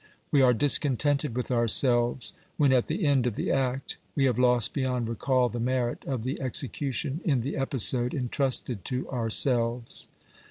We are discontented with ourselves when at the end of the act we have lost beyond recall the merit of the execution in the episode entrusted to ourselves.